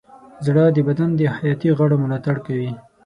زړه د بدن د حیاتي غړو ملاتړ کوي.